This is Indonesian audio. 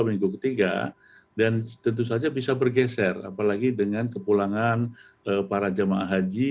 minggu ketiga dan tentu saja bisa bergeser apalagi dengan kepulangan para jemaah haji